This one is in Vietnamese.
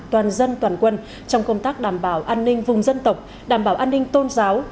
toàn dân toàn quân trong công tác đảm bảo an ninh vùng dân tộc đảm bảo an ninh tôn giáo